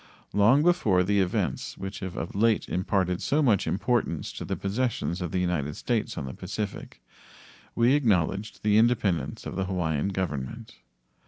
Long before the events which have of late imparted so much importance to the possessions of the United States on the Pacific we acknowledged the independence of the Hawaiian Government.